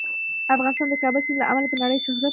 افغانستان د کابل سیند له امله په نړۍ شهرت لري.